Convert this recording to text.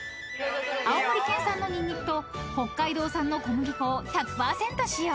［青森県産のニンニクと北海道産の小麦粉を１００％使用］